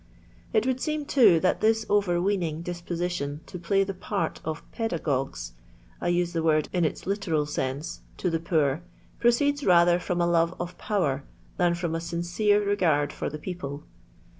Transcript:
It would seem, too, that this overweening disposition to play the part of j>tdrngoguet (I use the word in its literal sense) to the poor, proceeds rather from a love of power than from a sincere regard for the people.